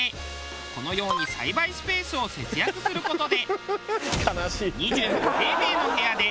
このように栽培スペースを節約する事で。